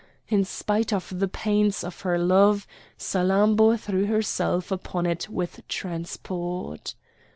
In spite of the pains of her love Salammbô threw herself upon it with transport.